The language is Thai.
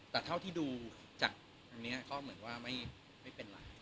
แต่เท่าที่ดูจากตรงนี้ก็เหมือนว่าไม่เป็นไร